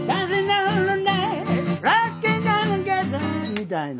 みたいな。